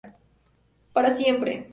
Para siempre.